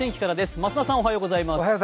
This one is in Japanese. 増田さんおはようございます。